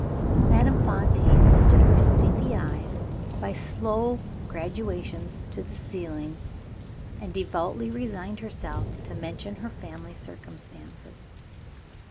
Madame Fontaine lifted her sleepy eyes by slow gradations to the ceiling, and devoutly resigned herself to mention her family circumstances.